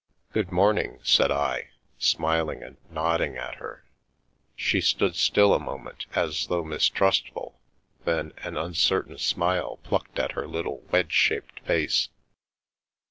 " Good morning/' said I, smiling and nodding at her. She stood still a moment, as though mistrustful, then an uncertain smile plucked at her little wedge shaped face.